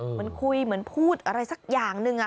เหมือนคุยเหมือนพูดอะไรสักอย่างหนึ่ง